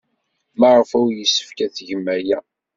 Maɣef ay yessefk ad tgem aya?